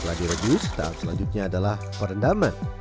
setelah direbus tahap selanjutnya adalah perendaman